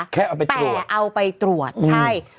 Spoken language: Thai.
แค่เอาไปตรวจแต่เอาไปตรวจใช่